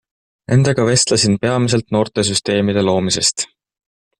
Nendega vestlesin peamiselt noortesüsteemide loomisest.